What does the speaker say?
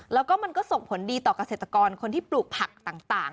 แล้วก็มันก็ส่งผลดีต่อเกษตรกรคนที่ปลูกผักต่าง